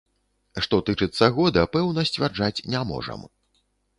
Што тычыцца года, пэўна сцвярджаць не можам.